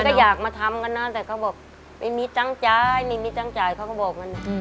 คนก็อยากมาทำกันน่ะแต่เขาบอกไม่มีตั้งใจไม่มีตั้งใจเขาก็บอกน่ะอืม